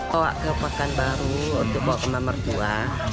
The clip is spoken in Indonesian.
bawa ke pakan baru untuk bawa ke rumah mertua